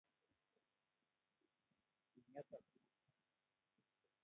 Kiinget Asisi